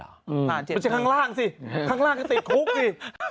ไม่ใช่ข้างล่างสิข้างล่างก็ติดคุกอีก